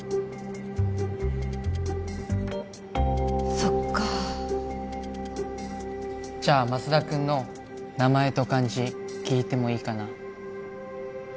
そっかじゃあマスダ君の名前と漢字聞いてもいいかな？